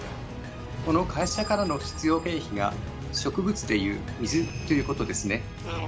この会社からの必要経費が植物でいう「水」ということですね。